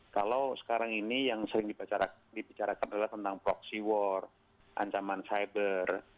kalau sekarang ini yang sering dibicarakan adalah tentang proxy war ancaman cyber